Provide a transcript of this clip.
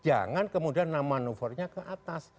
jangan kemudian nama manuvernya ke atas